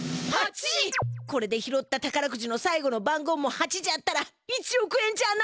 これで拾った宝くじのさいごの番号も８じゃったら１おく円じゃな。